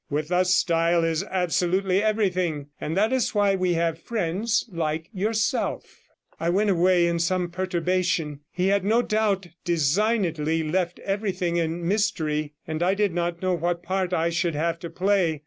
With us style is absolutely everything, and that is why we have friends like yourself.' I went away in some perturbation: he had no doubt, designedly left everything in mystery, and I did not know what part I should have to play.